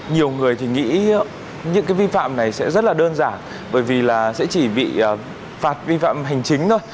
nhiều người thì nghĩ những cái vi phạm này sẽ rất là đơn giản bởi vì là sẽ chỉ bị phạt vi phạm hành chính thôi